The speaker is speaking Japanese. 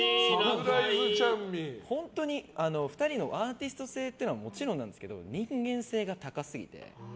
本当に２人のアーティスト性っていうのはもちろんなんですけど人間性が高すぎて。